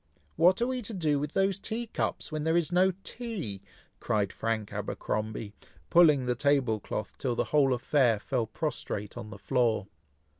"What are we to do with those tea cups, when there is no tea?" cried Frank Abercromby, pulling the table cloth till the whole affair fell prostrate on the floor.